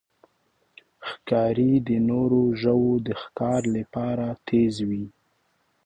ښکاري د نورو ژوو د ښکار لپاره تیز وي.